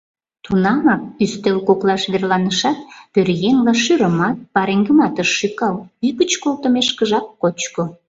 Тунамак ӱстел коклаш верланышат, пӧръеҥла шӱрымат, пареҥгымат ыш шӱкал, ӱгыч колтымешкыжак кочко.